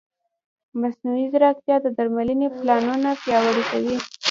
مصنوعي ځیرکتیا د درملنې پلانونه پیاوړي کوي.